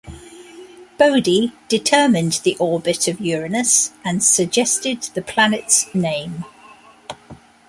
Bode determined the orbit of Uranus and suggested the planet's name.